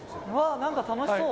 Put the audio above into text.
なんか楽しそう！